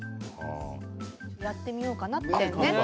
やってみようかなと。